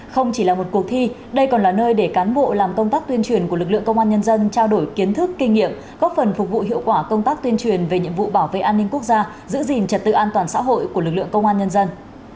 không chỉ là một cuộc thi đây còn là nơi để cán bộ làm công tác tuyên truyền của lực lượng công an nhân dân trao đổi kiến thức kinh nghiệm góp phần phục vụ hiệu quả công tác tuyên truyền về nhiệm vụ bảo vệ an ninh quốc gia giữ gìn trật tự an toàn xã hội của lực lượng công an nhân dân